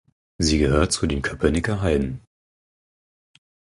Sie gehört zu den Köpenicker Heiden.